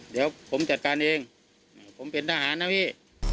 เดี๋ยวผมจัดการเองผมเป็นทหารนะพี่